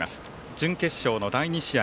準決勝の第２試合。